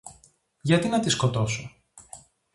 Γιατί να τη σκοτώσω;